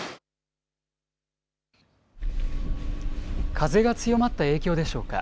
風が強まった影響でしょうか。